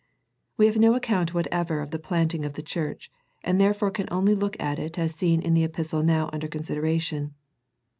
We have no account whatever of the plant ing of the church, and therefore can only look at it as seen in the epistle now under considera tion.